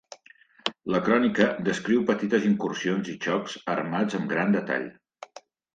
La crònica descriu petites incursions i xocs armats amb gran detall.